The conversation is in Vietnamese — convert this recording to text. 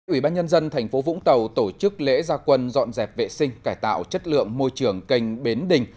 ủy ban nhân dân tp vũng tàu tổ chức lễ gia quân dọn dẹp vệ sinh cải tạo chất lượng môi trường kênh bến đình